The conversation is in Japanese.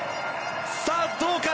さあ、どうか。